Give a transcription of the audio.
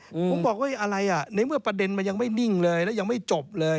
ผมบอกว่าอะไรอ่ะในเมื่อประเด็นมันยังไม่นิ่งเลยแล้วยังไม่จบเลย